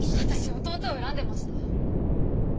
私弟を恨んでました。